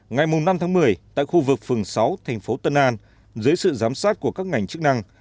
ngày năm tháng một mươi tại khu vực phường sáu thành phố tân an dưới sự giám sát của các ngành chức năng